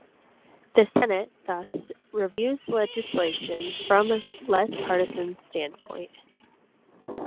The Senate, thus, reviews legislation from a less partisan standpoint.